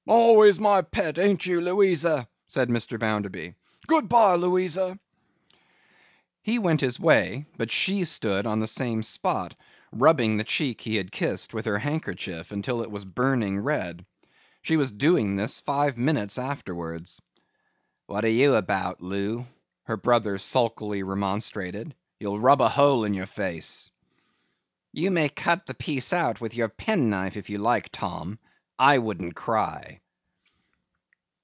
'Always my pet; ain't you, Louisa?' said Mr. Bounderby. 'Good bye, Louisa!' He went his way, but she stood on the same spot, rubbing the cheek he had kissed, with her handkerchief, until it was burning red. She was still doing this, five minutes afterwards. 'What are you about, Loo?' her brother sulkily remonstrated. 'You'll rub a hole in your face.' 'You may cut the piece out with your penknife if you like, Tom. I wouldn't cry!